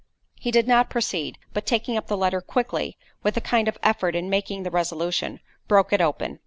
He did not proceed, but taking up the letter quickly, (with a kind of effort in making the resolution) broke it open.